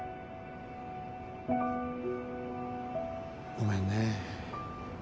ごめんね。